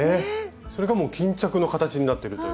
それがもう巾着の形になってるという。